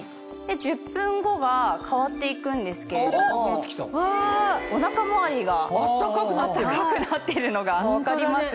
１０分後は変わって行くんですけれどもお腹周りが暖かくなってるのが分かりますよね。